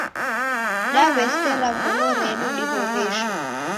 Daw'esera ngolo redu rihoresho.